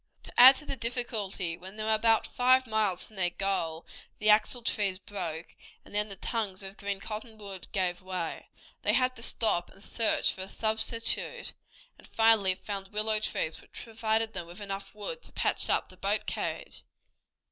To add to the difficulty, when they were about five miles from their goal the axle trees broke, and then the tongues of green cottonwood gave way. They had to stop and search for a substitute, and finally found willow trees, which provided them with enough wood to patch up the boat carriage.